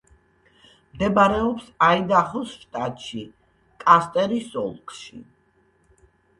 მდებარეობს აიდაჰოს შტატში, კასტერის ოლქში.